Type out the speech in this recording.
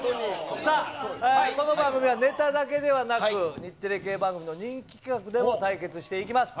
さあ、この番組はネタだけではなく、日テレ系番組の人気企画でも対決していきます。